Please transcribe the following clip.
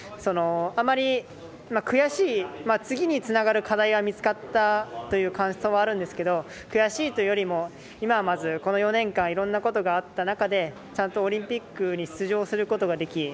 あまり、悔しい次につながる課題は見つかったという感想はあるんですけど悔しいというよりも今はまず、この４年間いろんなことがあった中でちゃんとオリンピックに出場することができ